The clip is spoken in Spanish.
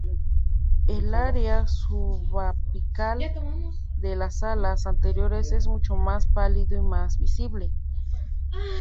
El área subapical de las alas anteriores es mucho más pálido y más visible.